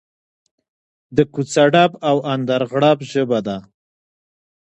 د کوڅه ډب او اندرغړب ژبه ده.